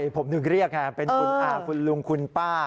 ผมถึงเรียกไงเป็นคุณอาคุณลุงคุณป้า